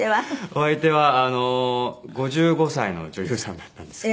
お相手は５５歳の女優さんだったんですけど。